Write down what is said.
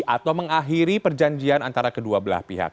atau mengakhiri perjanjian antara kedua belah pihak